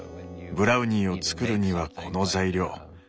ブラウニーを作るにはこの材料。